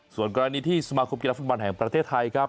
ส่วนกรณีที่สมาคมกีฬาฟุตบอลแห่งประเทศไทยครับ